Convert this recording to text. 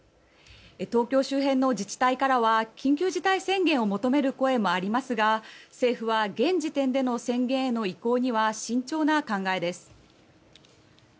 東京周辺の自治体からは緊急事態宣言を求める声もありますが政府は現時点での宣言への移行には慎重な考えです。